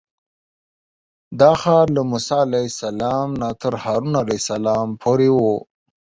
دا ښار له موسی علیه السلام نه تر هارون علیه السلام پورې و.